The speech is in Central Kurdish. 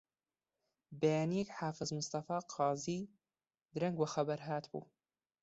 بەیانییەک حافز مستەفا قازی درەنگ وە خەبەر هاتبوو